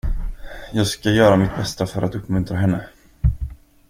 Jag ska göra mitt bästa för att uppmuntra henne.